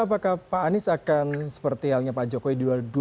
apakah pak anies akan seperti halnya pak jokowi